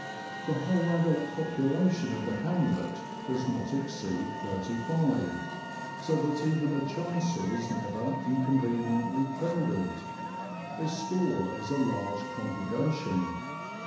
The whole adult population of the hamlet does not exceed thirty five, so that even the chancel is never inconveniently crowded : a score is a large congregation.